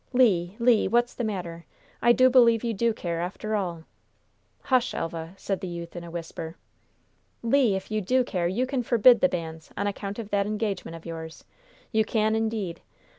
"Le! Le! what's the matter? I do believe you do care, after all." "Hush, Elva," said the youth, in a whisper. "Le! if you do care, you can forbid the banns, on account of that engagement of yours. You can, indeed!